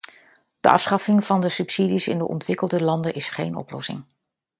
De afschaffing van de subsidies in de ontwikkelde landen is geen oplossing.